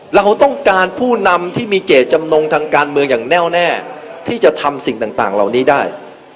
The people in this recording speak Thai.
เราต้องการผู้นำที่มีเจตจำนงทางการเมืองอย่างแน่วแน่ที่จะทำสิ่งต่างเหล่านี้ได้